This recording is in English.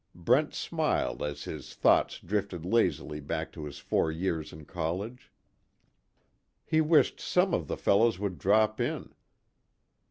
Brent smiled as his thoughts drifted lazily back to his four years in college. He wished some of the fellows would drop in.